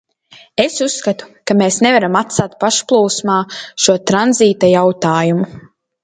Es uzskatu, ka mēs nevaram atstāt pašplūsmā šo tranzīta jautājumu.